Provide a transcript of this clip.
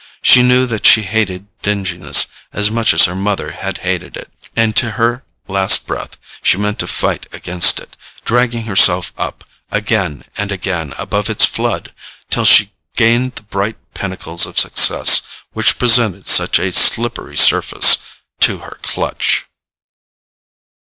She knew that she hated dinginess as much as her mother had hated it, and to her last breath she meant to fight against it, dragging herself up again and again above its flood till she gained the bright pinnacles of success which presented such a slippery surface to her clutch.